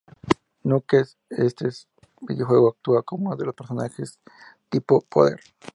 Knuckles, en este videojuego, actúa como uno de los personajes tipo "Poder".